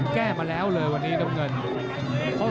แก้มาแล้วเลยวันนี้ได้มัน